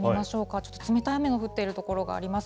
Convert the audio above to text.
ちょっと冷たい雨が降っている所があります。